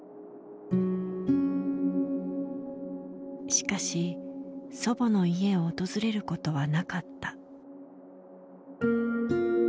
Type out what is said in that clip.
しかし祖母の家を訪れることはなかった。